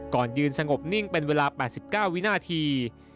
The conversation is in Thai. ยืนสงบนิ่งเป็นเวลา๘๙วินาที